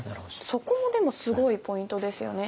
そこもでもすごいポイントですよね。